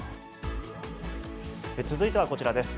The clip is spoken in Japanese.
続いてはこちらです。